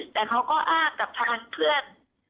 แต่เขาก็อ้างกับทางเพื่อน